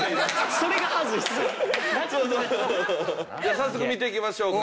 早速見ていきましょうか。